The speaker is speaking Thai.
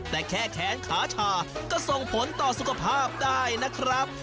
แต่แค่แขนขาชาก็ส่งผลต่อสุขภาพได้นะครับ